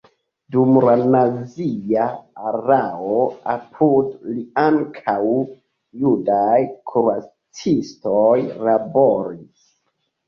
Dum la nazia erao apud li ankaŭ judaj kuracistoj laboris.